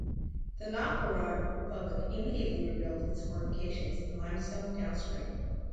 The Novgorod Republic immediately rebuilt its fortifications in limestone downstream.